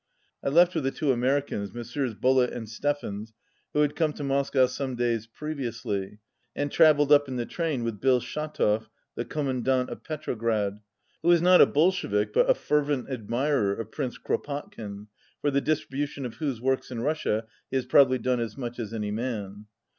I left with the two Americans, Messrs. Bullitt and Steffens, who had come to Moscow some days previously, and trav elled up in the train with Bill Shatov, the Com mandant of Petrograd, who is not a Bolshevik but a fervent admirer of Prince Kropotkin, for the dis tribution of whose works in Russia he has probably done as much as any man.